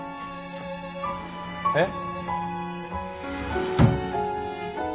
えっ？